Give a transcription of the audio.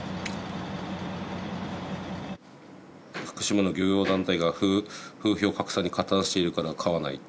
「福島の漁業団体が風評拡散に加担しているから買わない」って。